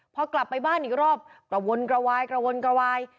พอกลับไปบ้านอีกรอบกระวนกระวายกระวนกระวาย